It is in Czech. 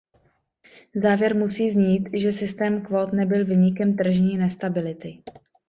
Závěr musí znít, že systém kvót nebyl viníkem tržní nestability.